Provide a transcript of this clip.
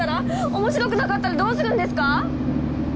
面白くなかったらどうするんですか！？